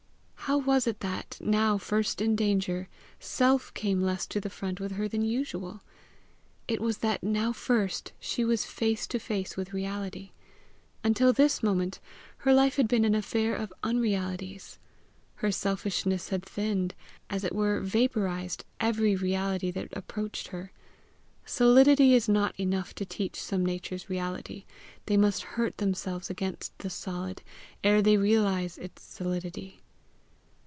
How was it that, now first in danger, self came less to the front with her than usual? It was that now first she was face to face with reality. Until this moment her life had been an affair of unrealities. Her selfishness had thinned, as it were vaporized, every reality that approached her. Solidity is not enough to teach some natures reality; they must hurt themselves against the solid ere they realize its solidity.